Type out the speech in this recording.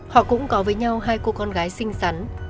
họ cũng có với nhau hai cô con gái xinh xắn